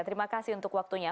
terima kasih untuk waktunya